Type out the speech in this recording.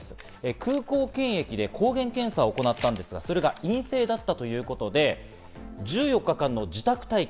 空港検疫で抗原検査を行ったんですが、それが陰性だったということで、１４日間の自宅待機。